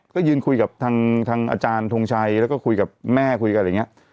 ก็ยืนคุยกับทางอาจารย์ทงชัยแล้วก็คุยกับแม่คุยกันอะไรอย่างนี้